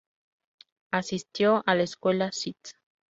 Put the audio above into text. Asistió a la Escuela St.